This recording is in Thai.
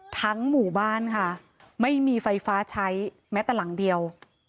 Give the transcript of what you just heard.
หมู่บ้านค่ะไม่มีไฟฟ้าใช้แม้แต่หลังเดียว